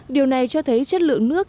điều này cho thấy chất lượng nước